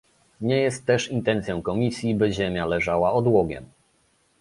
Nie jest też intencją Komisji, by ziemia leżała odłogiem